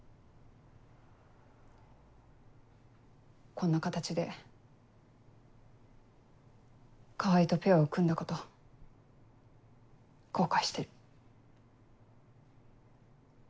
こんな形で川合とペアを組んだこと後悔してる。